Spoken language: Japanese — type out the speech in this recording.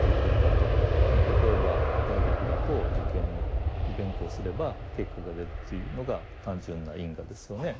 例えば大学だと受験勉強すれば結果が出るというのが単純な因果ですよね。